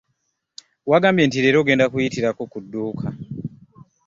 Wagambye nti leero ogenda kuyitirako ku dduuka.